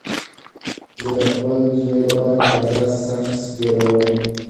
زه د خپل زوی لپاره تازه سنکس جوړوم.